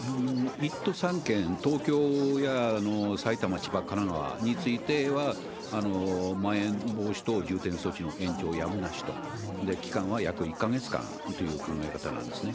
１都３県、東京や埼玉、千葉、神奈川については、まん延防止等重点措置の延長やむなしと、期間は約１か月間という考え方なんですね。